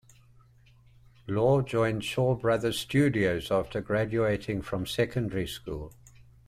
Lau joined Shaw Brothers Studios after graduating from secondary school.